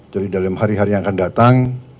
jadi dalam hari hari yang akan datang